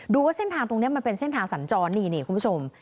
ว่าเส้นทางตรงนี้มันเป็นเส้นทางสัญจรนี่คุณผู้ชม